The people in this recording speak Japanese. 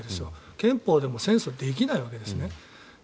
憲法でも戦争できないわけですね。